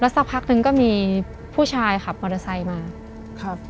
สักพักนึงก็มีผู้ชายขับมอเตอร์ไซค์มาครับ